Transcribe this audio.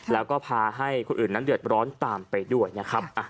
แล้วก็พาให้คนอื่นนั้นเดือดร้อนตามไปด้วยนะครับ